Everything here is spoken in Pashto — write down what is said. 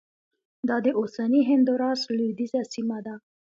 دا د اوسني هندوراس لوېدیځه سیمه ده